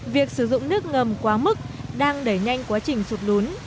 việc sử dụng nước ngầm quá mức đang đẩy nhanh quá trình sụt lún